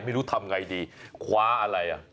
ไม่รู้ทำไงดีคว้าอะไรอ่ะ